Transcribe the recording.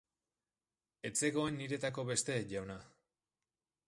Ez zegoen niretako beste, jauna.